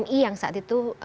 personal pmi yang saat itu